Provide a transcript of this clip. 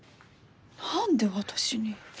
何で私に？